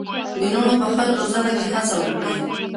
د لوڼو په ښه روزنه کې هڅه وکړئ.